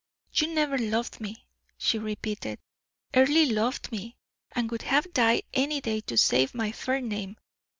"You never loved me," she repeated; "Earle loved me, and would have died any day to save my fair name!